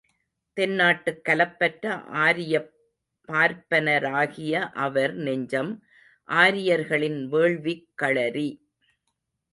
தென்னாட்டுக் கலப்பற்ற ஆரியப் பார்ப்பனராகிய அவர் நெஞ்சம் ஆரியர்களின் வேள்விக் களரி.